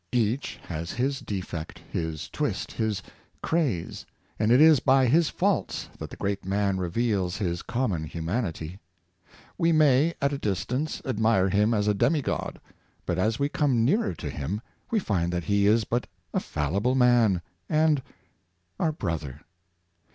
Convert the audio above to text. Each has his defect, his twist, his craze ; and it is by his faults that the great man reveals his common humanity. We 552 Plutarch'' s Art. ma}^, at a distance, admire him as a demigod; but as we come nearer to him, we find that he is but a faUible man, and our brother.